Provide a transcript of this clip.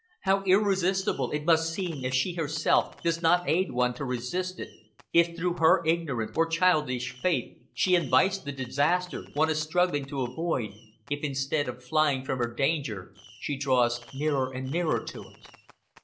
How irresistible it must seem if she herself does not aid one to resist it, if through her ignorance or childish faith she invites the disaster one is struggling to avoid, if instead of flying from her danger she draws nearer and nearer to it.